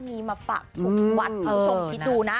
มีมาฝากทุกวันทุกชมที่ดูนะ